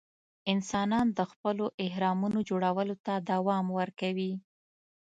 انسانان د خپلو اهرامونو جوړولو ته دوام ورکوي.